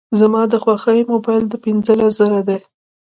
زما د خوښي موبایل په پینځلس زره دی